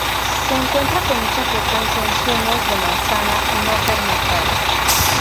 Se encuentra con mucha frecuencia en zumos de manzana no fermentados.